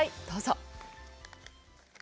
どうぞ！